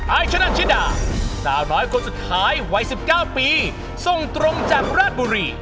ชะนันชิดาสาวน้อยคนสุดท้ายวัย๑๙ปีทรงตรงจากราชบุรี